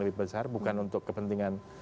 lebih besar bukan untuk kepentingan